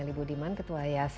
anggap kalian lebih rakyat